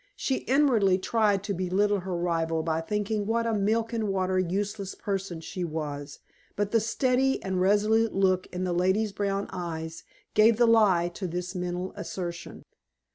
She inwardly tried to belittle her rival by thinking what a milk and water useless person she was, but the steady and resolute look in the lady's brown eyes gave the lie to this mental assertion.